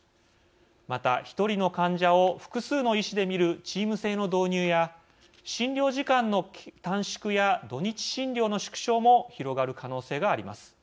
また、１人の患者を複数の医師で診るチーム制の導入や診療時間の短縮や土日診療の縮小も広がる可能性があります。